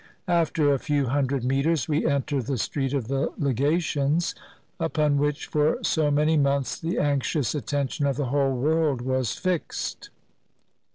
After a few hundred meters we enter the street of the legations, upon which for so many months the anxious attention of the whole world was fixed.